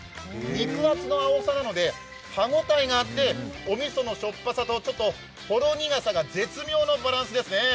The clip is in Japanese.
肉厚の青さなので歯応えがあっておみそのしょっぱさとほろ苦さが絶妙のバランスですね。